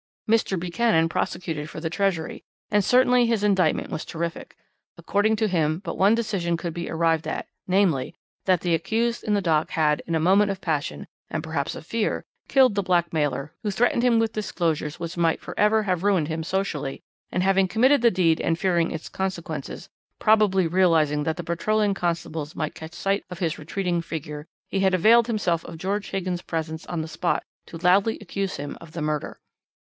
"Mr. Buchanan prosecuted for the Treasury, and certainly his indictment was terrific. According to him but one decision could be arrived at, namely, that the accused in the dock had, in a moment of passion, and perhaps of fear, killed the blackmailer who threatened him with disclosures which might for ever have ruined him socially, and, having committed the deed and fearing its consequences, probably realizing that the patrolling constables might catch sight of his retreating figure, he had availed himself of George Higgins's presence on the spot to loudly accuse him of the murder.